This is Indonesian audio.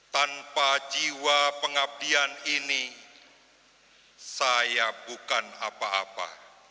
tanpa jiwa pengabdian ini saya bukan apa apa